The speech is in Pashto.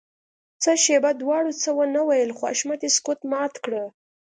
څه شېبه دواړو څه ونه ويل خو حشمتي سکوت مات کړ.